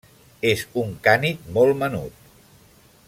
És un cànid molt menut.